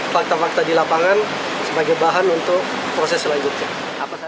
fakta fakta di lapangan sebagai bahan untuk proses selanjutnya